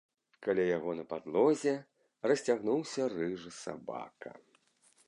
Каля яго на падлозе расцягнуўся рыжы сабака.